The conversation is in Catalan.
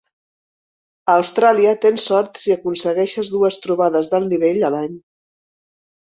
A Austràlia tens sort si aconsegueixes dues trobades d'alt nivell a l'any.